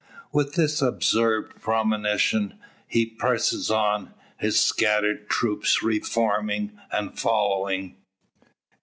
With this absurd premonition he presses on his scattered troop reforming, and following.